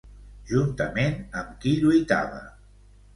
Juntament amb qui lluitava?